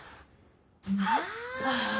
ああ。